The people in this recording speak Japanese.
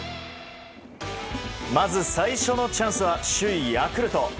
まず最初のチャンスは首位、ヤクルト。